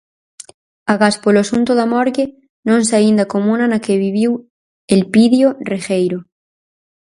Agás polo asunto da morgue, non saín da comuna na que viviu Elpidio Regueiro.